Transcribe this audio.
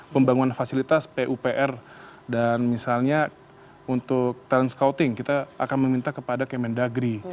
pembangunan fasilitas pupr dan misalnya untuk talent scouting kita akan meminta kepada kemendagri